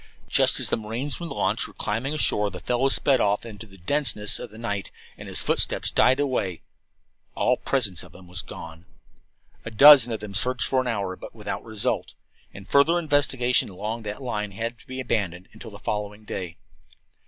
Just as the marines from the launch were climbing ashore the fellow sped off into the denseness of the night; and as his footsteps died away all present trace of him was gone. A dozen of them searched for an hour, but without result, and further investigation along that line had to be abandoned until the following day.